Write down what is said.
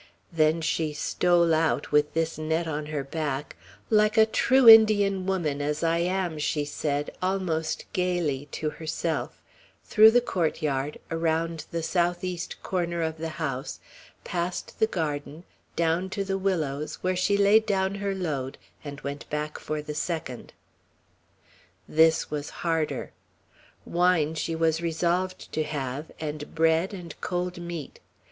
Then she stole out, with this net on her back, "like a true Indian woman as I am," she said, almost gayly, to herself, through the court yard, around the southeast corner of the house, past the garden, down to the willows, where she laid down her load, and went back for the second. This was harder. Wine she was resolved to have and bread and cold meat.